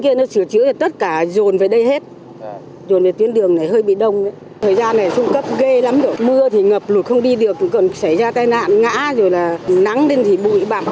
lúc không đi được cũng cần xảy ra tai nạn ngã rồi là nắng lên thì bụi bẩm